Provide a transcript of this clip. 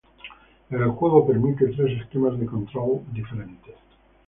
El juego permite tres esquemas de control diferentes.